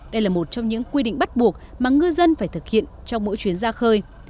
đây là một trong những quy định bắt buộc mà ngư dân phải thực hiện trong mỗi chuyến ra khơi